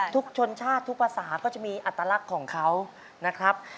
ชนชาติทุกภาษาก็จะมีอัตลักษณ์ของเขานะครับ